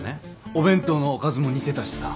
お弁当のおかずも似てたしさ。